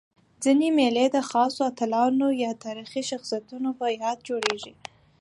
ځيني مېلې د خاصو اتلانو یا تاریخي شخصیتونو په یاد جوړيږي.